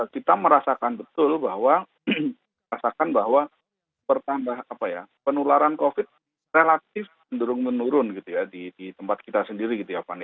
kita merasakan betul bahwa penularan covid sembilan belas relatif menurun menurun di tempat kita sendiri